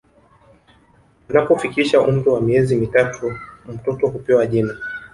Anapofikisha umri wa miezi mitatu mtoto hupewa jina